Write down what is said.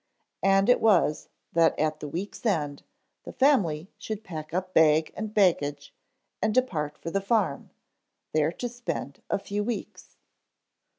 And it was that at the week's end the family should pack up bag and baggage and depart for the farm, there to spend a few weeks.